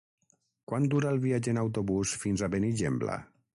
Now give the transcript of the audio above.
Quant dura el viatge en autobús fins a Benigembla?